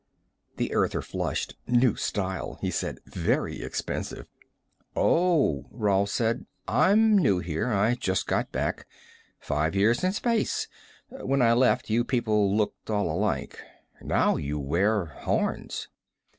The Earther flushed. "New style," he said. "Very expensive." "Oh," Rolf said. "I'm new here; I just got back. Five years in space. When I left you people looked all alike. Now you wear horns."